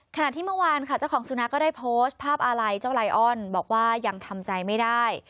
ขณะที่เมื่อวานค่ะเจ้าของสุนัขก็ได้โพสต์ภาพอาลัยเจ้าไลออนบอกว่ายังทำใจไม่ได้